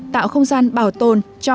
tạo không gian bảo tồn cho